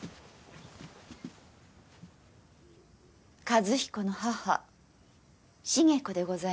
和彦の母重子でございます。